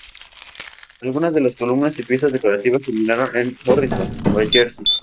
Algunas de las columnas y piezas decorativas terminaron en Morristown, Nueva Jersey.